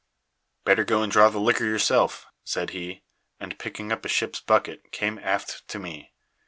"'Better go and draw the liquor yourself,' said he, and, picking up a ship's bucket, came aft to me.